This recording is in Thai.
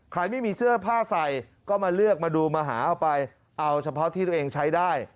ไม่มีเสื้อผ้าใส่ก็มาเลือกมาดูมาหาเอาไปเอาเฉพาะที่ตัวเองใช้ได้